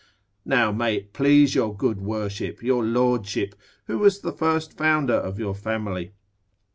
Now may it please your good worship, your lordship, who was the first founder of your family?